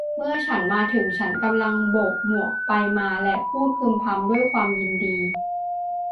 เมื่อฉันมาถึงฉันกำลังโบกหมวกไปมา และพูดพึมพำด้วยความยินดี